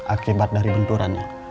akibat dari benturannya